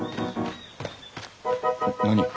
何？